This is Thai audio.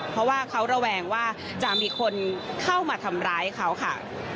เพราะว่าเขาระแวงว่าจะมีคนเข้ามาทำร้ายเขาค่ะ